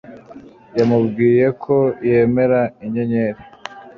Yamubwiye ko yemera inyenyeri